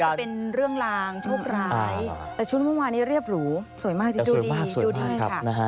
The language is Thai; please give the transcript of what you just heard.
เขาถือว่าจะเป็นเรื่องรางทุกรายแต่ชุดเมื่อวานนี้เรียบหรูสวยมากจริงดูดีดูดีมากครับ